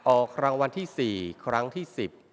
ออกรางวัลที่๔ครั้งที่๑๐